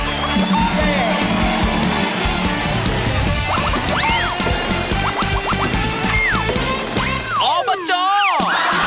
อ๋อประจอบประจอบ